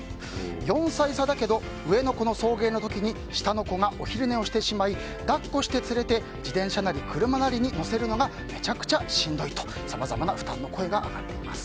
４歳差だけど上の子の送迎の時に下の子がお昼寝をしてしまい抱っこして連れて自転車なり車なりに乗せるのがめちゃくちゃしんどいとさまざまな負担の声が上がっています。